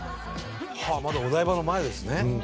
まだお台場の前ですね。